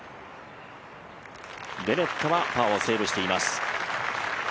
ベネットはパーをセーブしています。